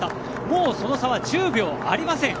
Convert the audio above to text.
もうその差は１０秒ありません。